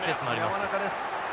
山中です。